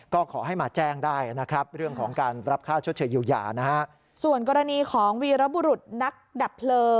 ก็ขอให้มาแจ้งได้นะครับเรื่องของการรับฆ่าเชิดเฉยอย่านะครับ